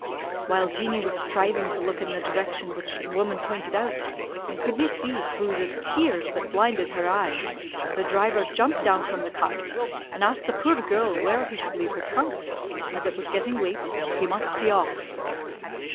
"While Jeanie was striving to look in the direction which the woman pointed out, and could na' see through the tears that blinded her e'e, the driver jumped down from the cart, and asked the puir girl where he should leave her trunks, as it was getting late, and he must be off?